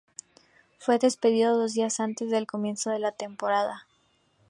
Fue despedido dos días antes del comienzo de la temporada.